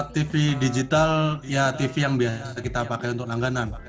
tv digital ya tv yang biasa kita pakai untuk langganan